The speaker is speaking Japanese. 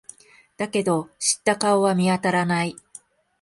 だけど、知った顔は見当たらない。